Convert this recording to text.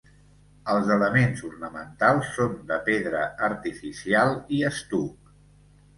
Els elements ornamentals són de pedra artificial i estuc.